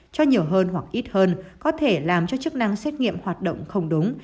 cho nhiều hơn hoặc ít hơn có thể làm cho chức năng xét nghiệm hoạt động không đúng